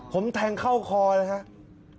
ผมแทงเข้าคอเลยครับ